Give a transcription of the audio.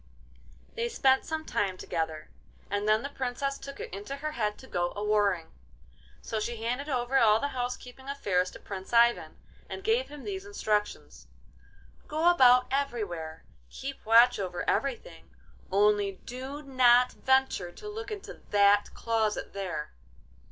They spent some time together, and then the Princess took it into her head to go a warring. So she handed over all the house keeping affairs to Prince Ivan, and gave him these instructions: 'Go about everywhere, keep watch over everything; only do not venture to look into that closet there.